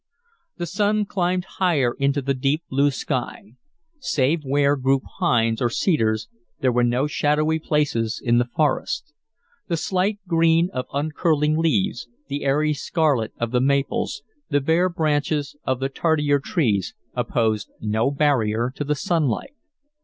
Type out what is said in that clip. The sun climbed higher into the deep blue sky. Save where grew pines or cedars there were no shadowy places in the forest. The slight green of uncurling leaves, the airy scarlet of the maples, the bare branches of the tardier trees, opposed no barrier to the sunlight.